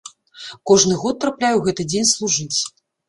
Кожны год трапляе ў гэты дзень служыць.